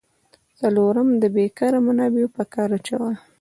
څلورم: د بیکاره منابعو په کار اچول.